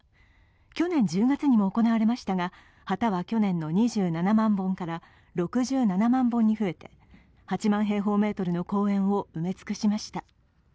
去年１０月にも行われましたが、旗は去年の２７万本から６７万本に増えて、８万平方メートルの公園を埋め尽くしました。